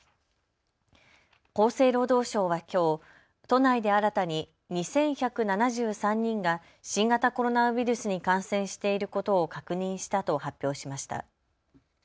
厚生労働省はきょう都内で新たに２１７３人が新型コロナウイルスに感染していることを確認したと発表しました。